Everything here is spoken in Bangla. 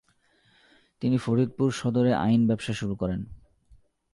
তিনি ফরিদপুর সদরে আইন ব্যবসা শুরু করেন।